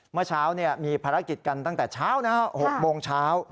เมื่อเช้ามีภารกิจกันตั้งแต่เช้านะฮะ๖โมงเช้า